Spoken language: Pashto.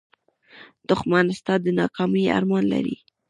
دښمن ستا د ناکامۍ ارمان لري